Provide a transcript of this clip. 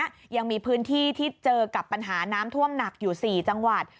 ยังมีพื้นที่ที่เจอกับปัญหาน้ำท่วมหนักอยู่๔จังหวัด